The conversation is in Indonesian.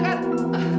oh ya tuhan